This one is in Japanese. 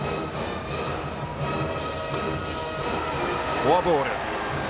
フォアボール。